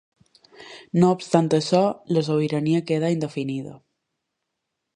No obstant això, la sobirania quedà indefinida.